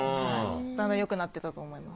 だんだんよくなっていったと思います。